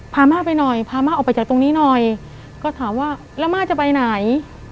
ม่าไปหน่อยพาม่าออกไปจากตรงนี้หน่อยก็ถามว่าแล้วม่าจะไปไหน